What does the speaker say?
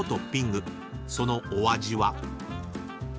［そのお味は？］